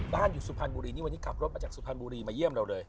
บ้านอยู่สุพรรณบุรีนี่วันนี้ขับรถมาจากสุพรรณบุรีมาเยี่ยมเราเลย